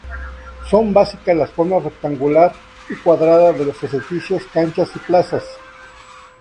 Son básicas las formas rectangular y cuadrada de los edificios, canchas y plazas.